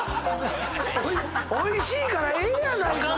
おいしいからええやないか！